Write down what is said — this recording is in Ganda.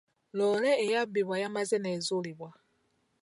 Loole eyabbibwa yamaze n'ezuulibwa.